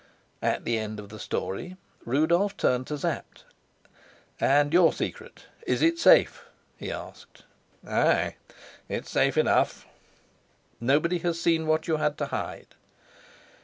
At the end of the story, Rudolf turned to Sapt. "And your secret is it safe?" he asked. "Ay, it's safe enough!" "Nobody has seen what you had to hide?"